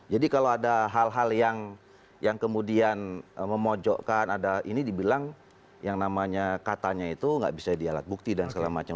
jadi kalau ada hal hal yang kemudian memojokkan ada ini dibilang yang namanya katanya itu gak bisa dialat bukti dan segala macam